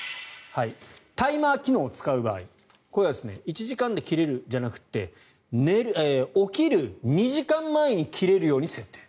タイマー機能を使う場合これは１時間で切れるじゃなくて起きる２時間前に切れるように設定。